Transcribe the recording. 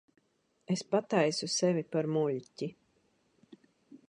Es pataisu sevi par muļķi.